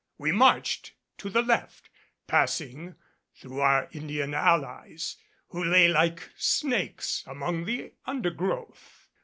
We marched to the left, passing through our Indian allies, who lay like snakes among the undergrowth.